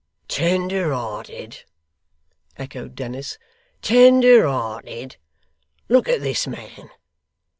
'Tender hearted!' echoed Dennis. 'Tender hearted! Look at this man.